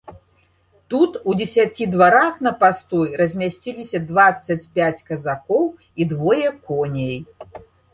Тут у дзесяці дварах на пастой размясціліся дваццаць пяць казакоў і двое коней.